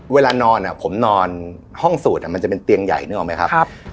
เวลานอนผมนอนห้องสูตรมันจะเป็นเตียงใหญ่นึกออกไหมครับ